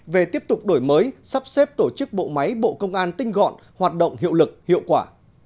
về tiếp tục đổi mới sắp xếp tổ chức bộ máy bộ công an tinh gọn hoạt động hiệu lực hiệu quả